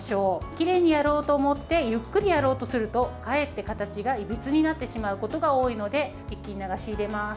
きれいにやろうと思ってゆっくりやろうとするとかえって形がいびつになってしまうことが多いので一気に流し入れます。